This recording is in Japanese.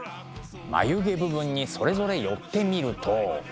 眉毛部分にそれぞれ寄ってみると。